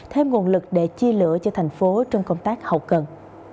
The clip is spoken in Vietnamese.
thêm nguồn lực để chia lửa cho thành phố trong công tác hậu cần